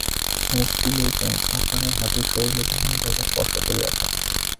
মুশকিল এই যে, আপনারা হাতীর শরীরের বিভিন্ন জায়গায় স্পর্শ করিয়াছেন।